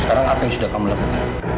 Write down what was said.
sekarang apa yang sudah kamu lakukan